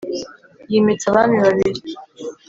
yimitse abami babiri